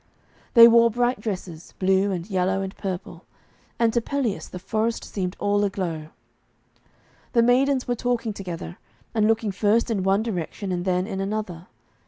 They wore bright dresses, blue and yellow and purple, and to Pelleas the forest seemed all aglow. The maidens were talking together, and looking first in one direction and then in another.